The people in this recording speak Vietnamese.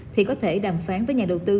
thì có thể đàm phán với nhà đầu tư